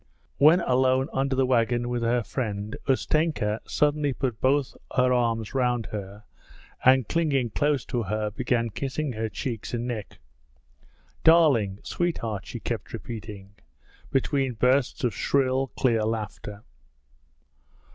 When alone under the wagon with her friend, Ustenka suddenly put both her arms round her, and clinging close to her began kissing her cheeks and neck. 'Darling, sweetheart,' she kept repeating, between bursts of shrill, clear laughter.